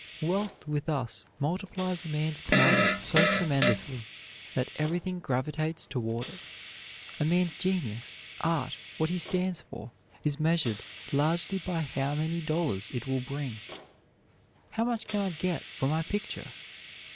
Wealth with us multiplies a man's power so tremendously that everything gravitates toward it. A man's genius, art, what he stands for, is measured largely by how many dollars it will bring. "How much can I get for my picture?"